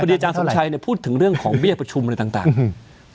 ดีอาจารย์สมชัยเนี่ยพูดถึงเรื่องของเบี้ยประชุมอะไรต่างต่างอืม